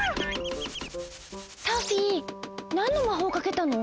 サフィーなんのまほうかけたの？